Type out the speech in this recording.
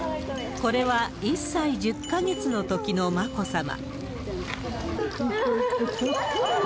これは１歳１０か月のときの眞子さま。